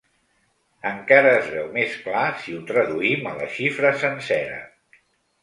Encara es veu més clar si ho traduïm a la xifra sencera.